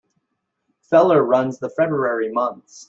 Feller runs the February months.